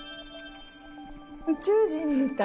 宇宙人みたい。